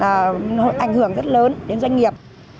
là ảnh hưởng rất lớn đến doanh nghiệp